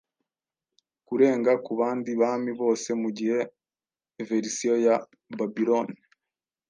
Kurenga kubandi bami bosemugihe verisiyo ya Babiloni